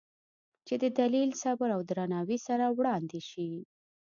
چې د دلیل، صبر او درناوي سره وړاندې شي،